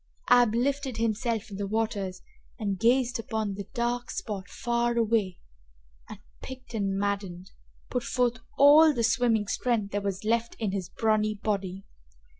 Ab lifted himself in the waters and gazed upon the dark spot far away, and, piqued and maddened, put forth all the swimming strength there was left in his brawny body.